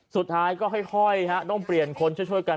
สุดท้ายก็ค่อยต้องเปลี่ยนคนช่วยกัน